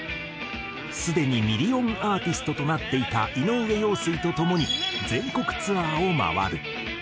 すでにミリオンアーティストとなっていた井上陽水と共に全国ツアーを回る。